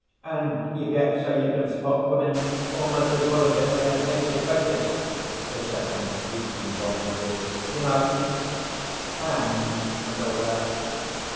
"And you get so you can spot women almost as well as if they had naked faces," the second policeman volunteered. "You know, hands and all that."